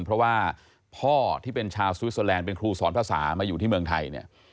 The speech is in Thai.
เพราะว่าพ่อที่เป็นชาวสวิสเตอร์แลนด์เป็นครูสอนภาษามาอยู่ที่เมืองไทยเนี่ย